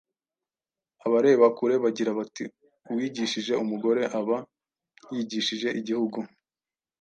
Abareba kure bagira bati : “Uwigishije umugore aba yigishije igihugu.